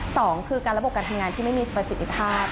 สองคือการระบบการทำงานที่ไม่มีประสิทธิภาพ